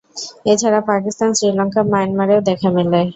এছাড়া পাকিস্তান, শ্রীলঙ্কা, মায়ানমার এও দেখা মেলে।